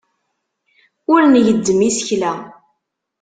Ur ngezzem isekla.